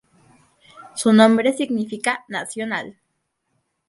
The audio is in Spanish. Su nombre significa 'nacional'.